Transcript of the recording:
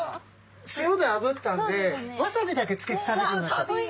塩であぶったんでわさびだけつけて食べてみましょう。